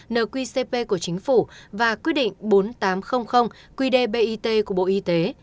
nở quy cp của chính phủ và quy định bốn nghìn tám trăm linh quy đề bit của bộ y tế